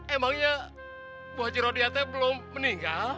emangnya pak haji rodia t belum meninggal